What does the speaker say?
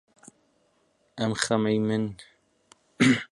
ئەم خەمەی من